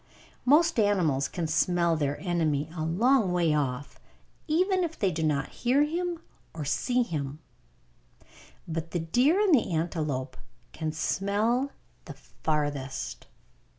Most animals can smell their enemy a long way off, even if they do not hear him or see him; but the deer and the antelope can smell the farthest.